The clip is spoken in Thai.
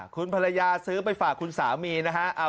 คุณภรรยาซื้อไปฝากคุณสามีนะฮะ